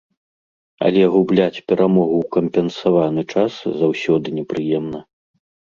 Але губляць перамогу ў кампенсаваны час заўсёды непрыемна.